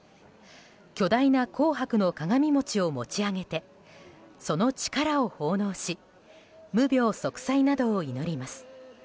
巨大な紅白の鏡餅を持ち上げてその力を奉納し無病息災などを祈ります。